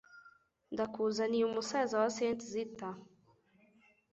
Ndakuzaniye umusaza wa Saint Zita